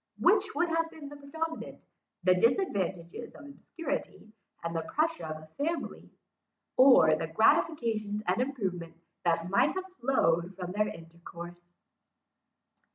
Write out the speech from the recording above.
Which would have been predominant; the disadvantages of obscurity, and the pressure of a family; or the gratifications and improvement that might have flowed from their intercourse?